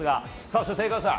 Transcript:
そして、江川さん